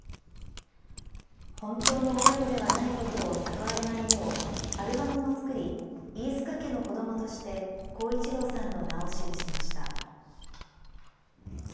本当の親子ではないことを悟られないよう、アルバムを作り、飯塚家の子どもとして耕一郎さんの名を記しました。